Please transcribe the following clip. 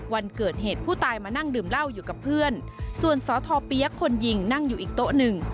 วันเกิดเหตุผู้ตายมานั่งดื่มเหล้าอยู่กับเพื่อนส่วนสทเปี๊ยกคนยิงนั่งอยู่อีกโต๊ะหนึ่ง